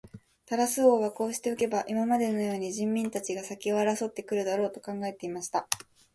タラス王はこうしておけば、今までのように人民たちが先を争って来るだろう、と考えていました。